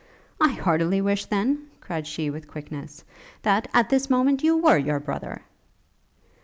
'I heartily wish, then,' cried she, with quickness, 'that, at this moment! you were your brother!'